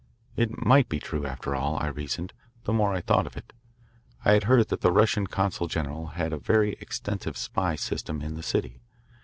It might be true, after all, I reasoned, the more I thought of it. I had heard that the Russian consul general had a very extensive spy system in the city.